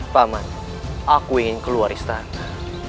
paman aku ingin keluar istana